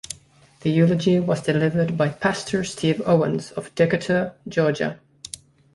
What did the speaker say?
The eulogy was delivered by Pastor Steve Owens of Decatur, Georgia.